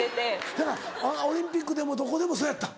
せやからオリンピックでもどこでもそうやったん？